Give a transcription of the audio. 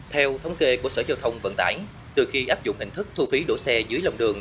theo thống kê của sở giao thông vận tải từ khi áp dụng hình thức thu phí đỗ xe dưới lòng đường